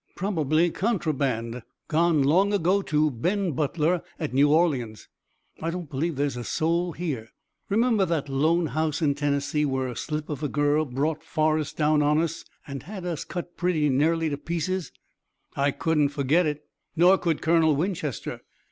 "Probably contraband, gone long ago to Ben Butler at New Orleans. I don't believe there's a soul here." "Remember that lone house in Tennessee where a slip of a girl brought Forrest down on us and had us cut pretty nearly to pieces." "I couldn't forget it." Nor could Colonel Winchester.